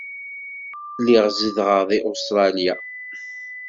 Lliɣ zedɣeɣ deg Ustṛalya.